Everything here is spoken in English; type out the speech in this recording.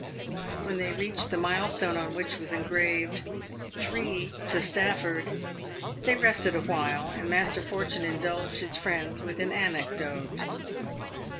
"When they reached the milestone on which was engraved " III. to Stafford," they rested awhile, and Master Fortune indulged his friends with an anecdote.